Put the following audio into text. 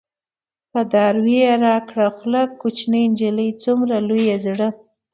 په دراوۍ يې راکړه خوله - کوشنی نجلۍ څومره لوی زړه